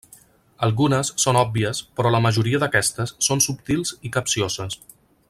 Algunes són òbvies però la majoria d'aquestes són subtils i capcioses.